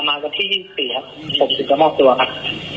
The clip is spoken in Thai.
ประมาณวันที่๒๔ครับผมจะมอบตัวครับ